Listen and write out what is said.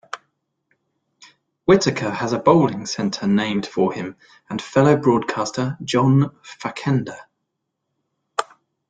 Whitaker has a bowling center named for him and fellow broadcaster John Facenda.